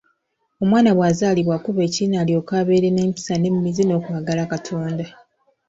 Omwana bw’azaalibwa akubwa ekiyina alyoke abeere n’empisa n’emmizi n’okwagala Katonda.